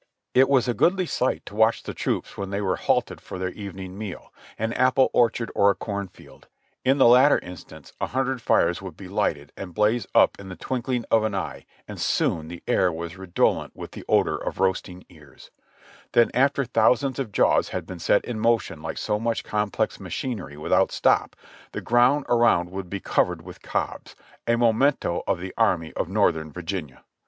It was a goodly sight to watch the troops when they were halted for their evening meal — an apple orchard or a corn field; m the latter instance a hundred fires would be lighted and blaze up in the twinkling of an eye and soon the air was redolent with the odor of roasting ears ; then after thousands of jaws had been set in motion like so much complex machinery without stop, the ground around would be covered with cobs, a memento of the Army of Northern Virginia.